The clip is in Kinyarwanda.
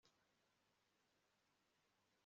naho abayakurikiza, bakamurakarira